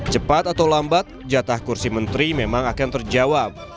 cepat atau lambat jatah kursi menteri memang akan terjawab